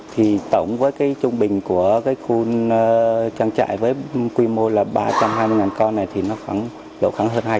thì tổng với cái trung bình của cái khu trang trại với quy mô là ba trăm hai mươi con này thì nó khoảng độ khoảng hơn hai mươi